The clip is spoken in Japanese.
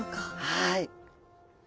はい。